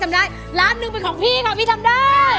ร้านหนึ่งเป็นของพี่ค่ะพี่ทำได้